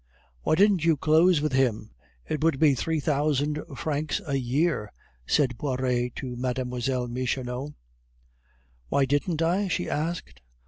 _" "Why didn't you close with him? It would be three hundred francs a year," said Poiret to Mlle. Michonneau. "Why didn't I?" she asked.